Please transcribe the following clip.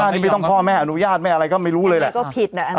๑๕นี่ไม่ต้องพ่อแม่อนุญาตแม่อะไรก็ไม่รู้เลยแหละ